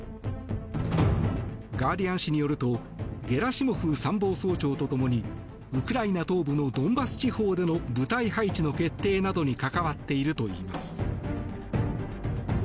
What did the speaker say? ガーディアン紙によるとゲラシモフ参謀総長とともにウクライナ東部のドンバス地方での部隊配置の決定などに関わっているといいます。